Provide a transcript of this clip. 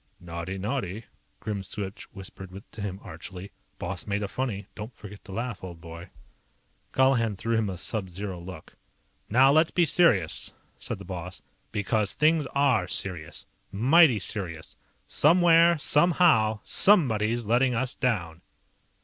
"Naughty, naughty," Grimswitch whispered to him archly. "Boss made a funny. Don't forget to laugh, old boy." Colihan threw him a sub zero look. "Now let's be serious," said the boss. "Because things are serious. Mighty serious. Somewhere, somehow, somebody's letting us down!"